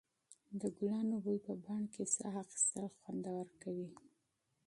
د ګلانو بوی په بڼ کې ساه اخیستل خوندور کوي.